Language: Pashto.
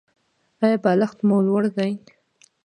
ایا بالښت مو لوړ دی؟